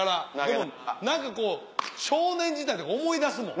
何かこう少年時代とか思い出すもん。